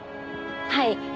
はい。